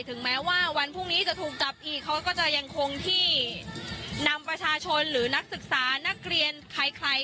ถึงแม้ว่าวันพรุ่งนี้จะถูกจับอีกเขาก็จะยังคงที่นำประชาชนหรือนักศึกษานักเรียนใคร